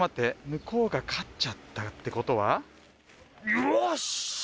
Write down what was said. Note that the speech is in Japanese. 向こうが勝っちゃったってことは。